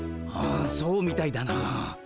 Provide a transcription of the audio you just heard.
ああそうみたいだな。